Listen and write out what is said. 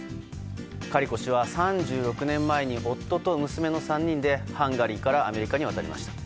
カリコ氏は３６年前に夫と娘の３人でハンガリーからアメリカに渡りました。